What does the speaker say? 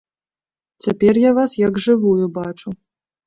Цяпер я вас як жывую бачу.